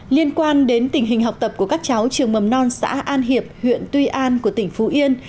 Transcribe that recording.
liên quan đến tình hình học tập của các cháu trường mầm non xã an hiệp huyện tuy an của tỉnh phú yên